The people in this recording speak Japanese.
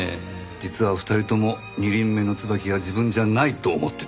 実は２人とも２輪目の椿が自分じゃないと思ってた？